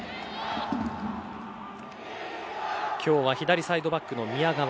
今日は左サイドバックの宮川。